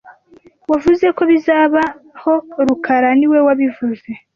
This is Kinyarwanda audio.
Wavuze ko bizabaho rukara niwe wabivuze